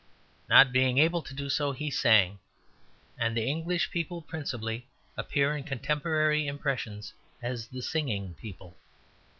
Not being able to do so, he sang; and the English people principally appear in contemporary impressions as the singing people.